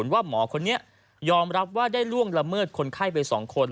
ว่าหมอคนนี้ยอมรับว่าได้ล่วงละเมิดคนไข้ไป๒คน